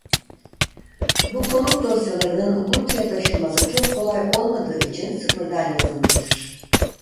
Bu komut dosyalarının Ubuntu'ya taşınması çok kolay olmadığı için sıfırdan yazılmıştır.